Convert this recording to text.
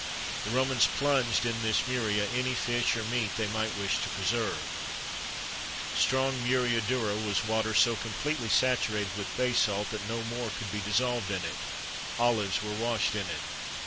The Romans plunged in this muria any fish or meat they might wish to preserve.[XXIII 13] Strong muria dura was water so completely saturated with bay salt, that no more could be dissolved in it.[XXIII 14] Olives were washed in it.